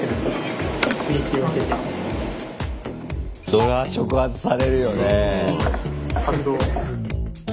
そりゃ触発されるよね。